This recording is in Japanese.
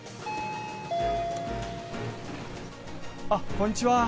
あっ、こんにちは。